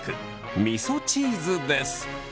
みそチーズです。